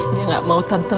dia nggak mau tante